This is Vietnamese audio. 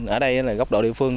ở đây là góc độ địa phương